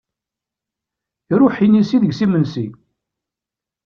Iṛuḥ inisi deg-s imensi!